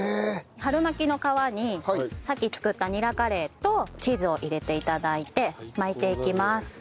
春巻きの皮にさっき作ったニラカレーとチーズを入れて頂いて巻いていきます。